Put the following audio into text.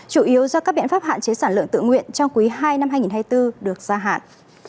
chủ yếu do các biện pháp hạn chế sản lượng tự nguyện trong quý ii năm hai nghìn hai mươi bốn được gia hạn